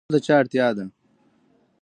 کور د چا اړتیا ده؟